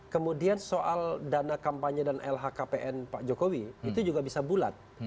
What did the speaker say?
kemudian soal dana kampanye dan lhkpn pak jokowi itu juga bisa bulat